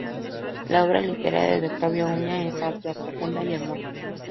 La obra literaria de Octavio Uña es amplia, profunda y hermosa.